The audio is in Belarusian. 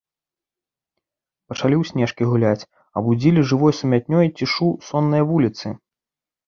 Пачалі ў снежкі гуляць, абудзілі жывой сумятнёй цішу соннае вуліцы.